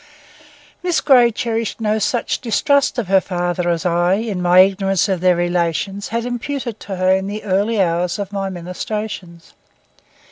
Miss Grey cherished no such distrust of her father as I, in my ignorance of their relations, had imputed to her in the early hours of my ministrations.